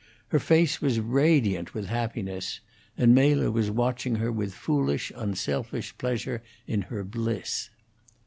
Her face was radiant with happiness, and Mela was watching her with foolish, unselfish pleasure in her bliss.